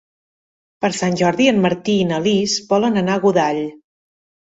Per Sant Jordi en Martí i na Lis volen anar a Godall.